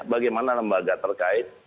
bagaimana lembaga terkait